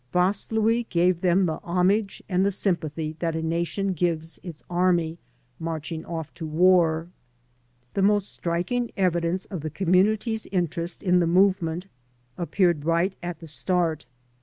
Vaslui gave them the homage and the sympathy that a nation gives its army marching off to war. The most striking evidence of the conununity's interest in the movement appeared right at the start.